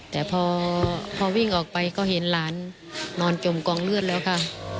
แต่พอวิ่งออกไปก็เห็นหลานนอนจมกองเลือดแล้วค่ะ